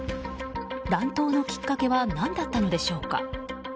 乱闘のきっかけは何だったのでしょうか。